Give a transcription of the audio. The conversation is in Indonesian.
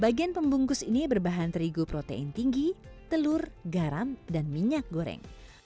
bagian pembungkus ini berbahan terigu protein tinggi telur garam dan minyak goreng